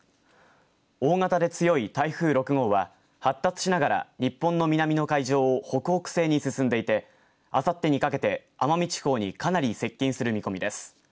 大型で強い台風６号は発達しながら日本の南の海上を北北西に進んでいてあさってにかけて奄美地方にかなり接近する見込みです。